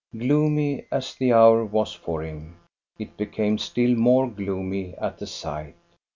Gloomy as the hour was for him, it became still more gloomy at the sight.